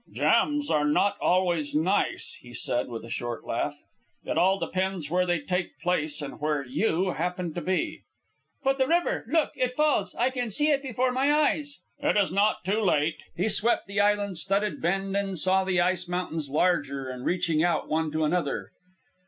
"Jams are not always nice," he said, with a short laugh. "It all depends where they take place and where you happen to be." "But the river! Look! It falls; I can see it before my eyes." "It is not too late." He swept the island studded bend and saw the ice mountains larger and reaching out one to the other.